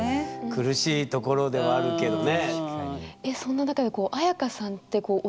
苦しいところではあるけどね。